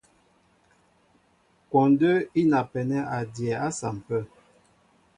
Kwɔndə́ í napɛnɛ́ a dyɛɛ á sampə̂.